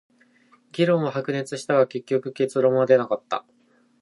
議論は白熱したが、結局結論は出なかった。